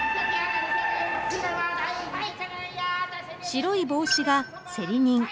白い帽子が競り人。